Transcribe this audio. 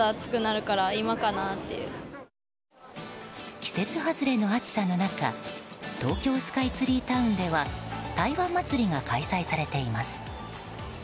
季節外れの暑さの中東京スカイツリータウンでは台湾祭が開催されています。